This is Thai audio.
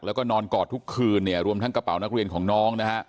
แล้วก็นอนกอดทุกคืนเนี่ยรวมทั้งกระเป๋านักเรียนของน้องนะฮะ